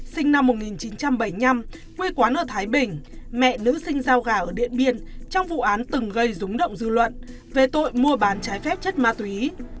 sinh năm một nghìn chín trăm bảy mươi năm quê quán ở thái bình mẹ nữ sinh giao gà ở điện biên trong vụ án từng gây rúng động dư luận về tội mua bán trái phép chất ma túy